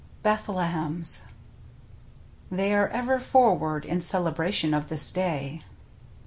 " BETHLEHEMS " They are ever forrvard In celebration of this day.